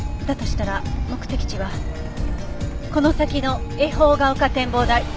だとしたら目的地はこの先の恵方が丘展望台。